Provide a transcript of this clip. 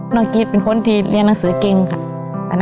น้องกิล์เป็นคนที่เรียนหนังสือเกร็กกินค่ะ